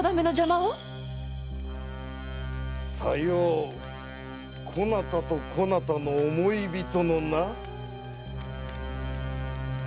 さようこなたとこなたの想い人のな。